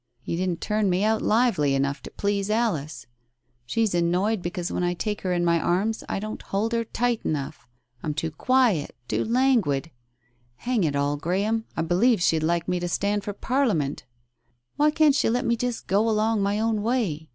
You didn't turn me out lively enough to please Alice. She's annoyed because when I take her in my arms, I don't hold her tight enough. I'm too quiet, too languid !... Hang it all, Graham, I believe she'd like me to stand for Parliament !... Why can't she let me just go along my own way?